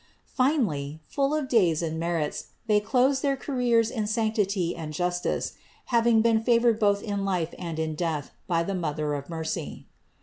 Finally, full of days and merits, they closed their careers in sanctity and justice, having been favored both in life and in death by the Mother of mercy.